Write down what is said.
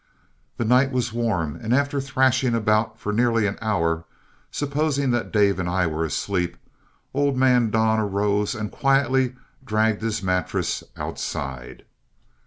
The night was warm, and after thrashing around for nearly an hour, supposing that Dave and I were asleep, old man Don arose and quietly dragged his mattress outside.